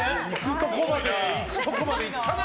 いくとこまでいったな！